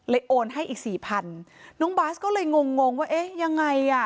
เลยโอนให้อีก๔๐๐๐บาสก็เลยงงว่าเอ๊ะยังไงอ่ะ